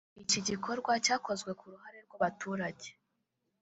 Iki gikorwa cyakozwe ku ruhare rw’abaturage